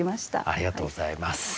ありがとうございます。